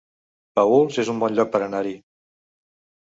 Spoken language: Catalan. Paüls es un bon lloc per anar-hi